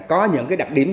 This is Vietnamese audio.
có những đặc điểm